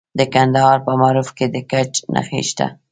د کندهار په معروف کې د ګچ نښې شته.